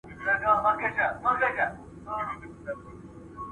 بیا به دي په لوبو کي رنګین امېل شلېدلی وي